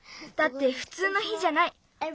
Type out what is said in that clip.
だってふつうの日じゃない。